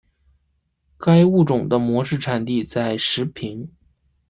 该物种的模式产地在石屏。